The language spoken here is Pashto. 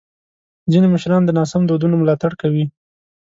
ځینې مشران د ناسم دودونو ملاتړ کوي.